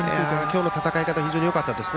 今日の戦い方は非常によかったです。